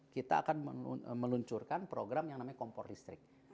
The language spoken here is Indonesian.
kita akan meluncurkan program yang namanya kompor listrik